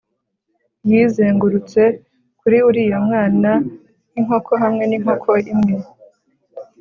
Yizengurutse kuri uriya mwana nkinkoko hamwe ninkoko imwe